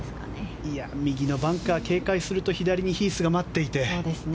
右のバンカーを警戒すると左にヒースが待っていて。